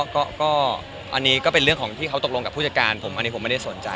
ก็อันนี้ก็เป็นเรื่องของที่เขาตกลงกับผู้จัดการผมอันนี้ผมไม่ได้สนใจ